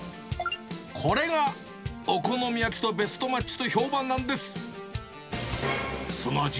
これがお好み焼きとベストマッチと評判なんです。